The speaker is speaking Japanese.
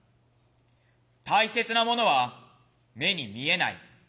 大切なものは目に見えない。